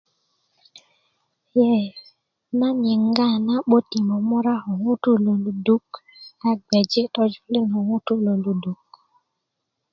ee nan yinga na'but i momora ko ŋutuu lo luduk a gbeji' yojulin ko ŋutuu lo luduk